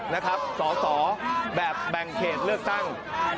นะครับสอสอแบบแบ่งเขตเลือกตั้ง